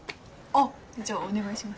あっじゃあお願いします。